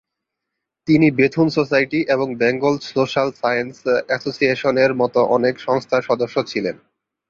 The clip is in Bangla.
তিনি বেথুন সোসাইটি এবং বেঙ্গল সোশ্যাল সায়েন্স অ্যাসোসিয়েশনের মতো অনেক সংস্থার সদস্য ছিলেন।